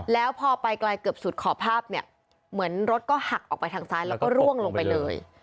แล้วพอไปไกลเกือบสุดขอภาพเนี่ยเหมือนรถก็หักออกไปทางซ้ายแล้วก็ร่วงลงไปเลย